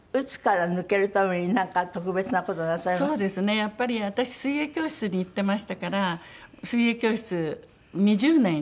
やっぱり私水泳教室に行ってましたから水泳教室２０年水泳。